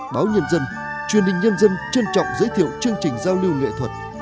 báo nhân dân truyền hình nhân dân trân trọng giới thiệu chương trình giao lưu nghệ thuật